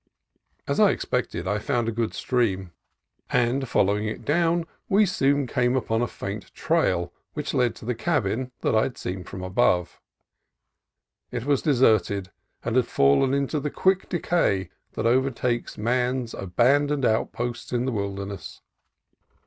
As I expected, I found a good stream, and follow 150 CALIFORNIA COAST TRAILS ing it down we soon came upon a faint trail, which led to the cabin I had seen from above. It was de serted and had fallen into the quick decay that over takes man's abandoned outposts in the wilderness.